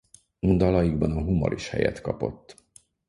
Dalaikban a humor is helyet kapott.